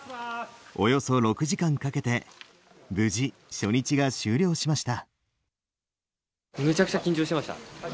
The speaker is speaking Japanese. およそ６時間かけて無事初日が終了しました。